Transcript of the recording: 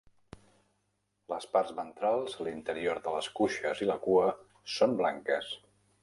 Les parts ventrals, l'interior de les cuixes i la cua són blanques.